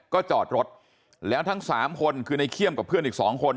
ก็จอดรถแล้วทั้งสามคนคือในเขี้ยมกับเพื่อนอีกสองคน